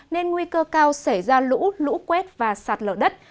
nên nguy cơ cao xảy ra lũ lũ quét và sạt lở đất